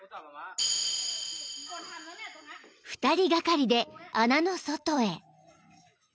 ［２人がかりで穴の外へ］